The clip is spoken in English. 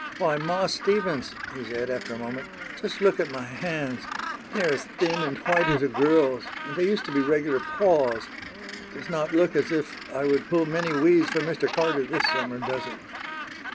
"Why, Ma Stevens!" he said, after a moment, "just look at my hands! They are as thin and white as a girl's, and they used to be regular paws. It does not look as if I would pull many weeds for Mr. Carter this summer, does it?"